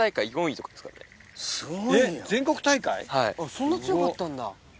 そんな強かったんだ。